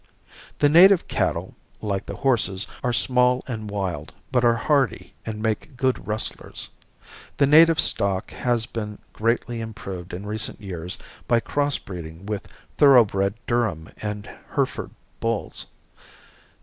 The native cattle, like the horses, are small and wild, but are hardy and make good rustlers. The native stock has been greatly improved in recent years by cross breeding with thoroughbred Durham and Hereford bulls.